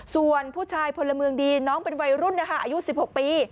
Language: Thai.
ส่วนผู้ชายพลเมืองดีน้องเป็นวัยรุ่นนะคะอายุ๑๖ปี